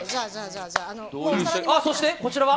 そして、こちらは。